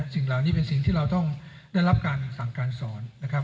สิ่งเหล่านี้เป็นสิ่งที่เราต้องได้รับการสั่งการสอนนะครับ